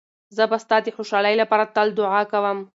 زه به ستا د خوشحالۍ لپاره تل دعا کوم.